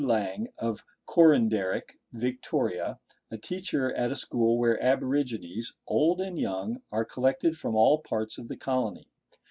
Lang, of Coranderik, Victoria, a teacher at a school where aborigines, old and young, are collected from all parts of the colony.